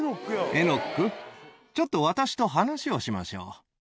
エノック、ちょっと、私と話をしましょう。